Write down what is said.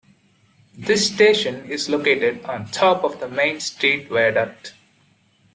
This station is located on top of the Main Street viaduct.